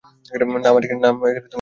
না মানে কী?